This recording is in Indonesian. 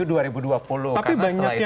tapi banyak yang